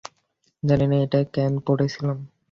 জানি না এটা কেন পরে ছিলাম।